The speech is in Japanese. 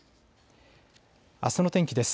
あすの天気です。